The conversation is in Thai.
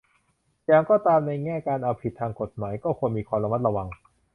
อย่างก็ตาม ในแง่การเอาผิดทางกฎหมายก็ควรมีความระมัดระวัง